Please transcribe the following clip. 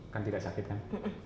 kan tidak sakit kan